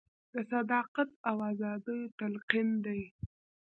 د صداقت او ازادیو تلقین دی.